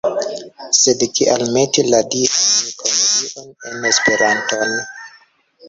Sed kial meti la Dian Komedion en esperanton?